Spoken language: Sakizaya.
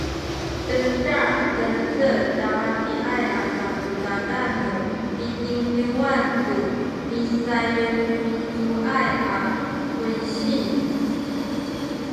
dengtal Cengce tabakiaya a cacudadan nu pikingkiwan tu misayincumincuay a congsin